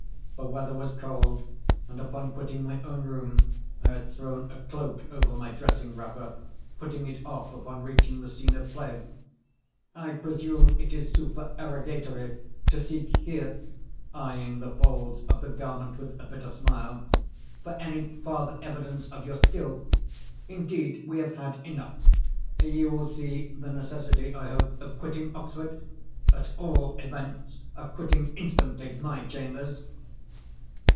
(The weather was cold; and, upon quitting my own room, I had thrown a cloak over my dressing wrapper, putting it off upon reaching the scene of play.) "I presume it is supererogatory to seek here (eyeing the folds of the garment with a bitter smile) for any farther evidence of your skill. Indeed, we have had enough. You will see the necessity, I hope, of quitting Oxford—at all events, of quitting instantly my chambers."